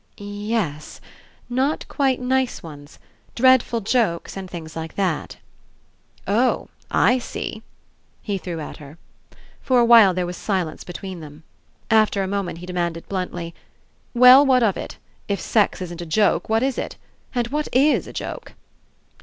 "Ye es. Not quite nice ones. Dreadful jokes, and things like that." "Oh, I see," he threw at her. For a while there was silence between them. After a moment he demanded bluntly: "Well, what of it? If sex isn't a joke, what Is It? And what Is a joke?"